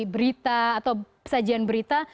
berita atau sajian berita